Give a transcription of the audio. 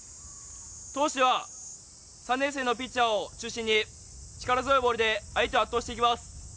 投手では、３年生のピッチャーを中心に、力強いボールで相手を圧倒していきます。